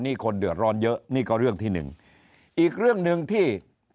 นี่คนเดือดร้อนเยอะนี่ก็เรื่องที่หนึ่งอีกเรื่องหนึ่งที่